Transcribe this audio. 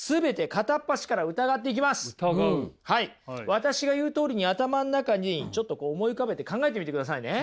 私が言うとおりに頭の中にちょっと思い浮かべて考えてみてくださいね。